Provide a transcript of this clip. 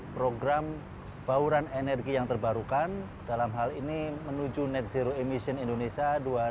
program bauran energi yang terbarukan dalam hal ini menuju net zero emission indonesia